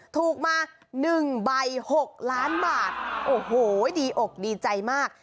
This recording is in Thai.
ถูกมา๑ใบ๖ล้านบาทโอ้โหดีอกดีใจมาก